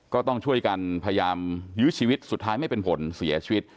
ก็ต้องช่วยกันพยายามยื้อชีวิตสุดท้ายไม่เป็นผลเสียชีวิต